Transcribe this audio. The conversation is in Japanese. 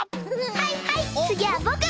はいはいつぎはぼく！